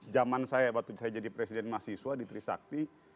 zaman saya waktu saya jadi presiden mahasiswa di trisakti